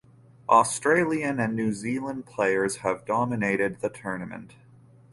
Australian and New Zealand players have dominated the tournament.